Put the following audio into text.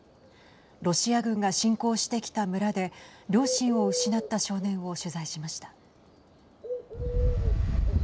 ロシア軍が侵攻してきた村で両親を失った少年を取材しました。